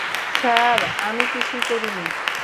Sir, আমি কিছুই করিনি।